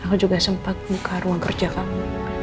aku juga sempat buka ruang kerja kamu